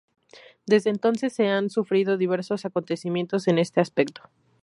Desde entonces se han sufrido diversos acontecimientos en este aspecto.